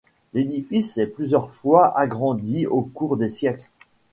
L’édifice est plusieurs fois agrandi au cours des siècles.